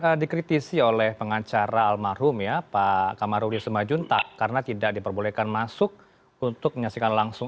ini dikritisi oleh pengacara almarhum ya pak kamarudius semajuntak karena tidak diperbolehkan masuk untuk menyaksikan langsung